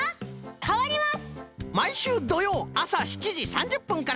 かわります！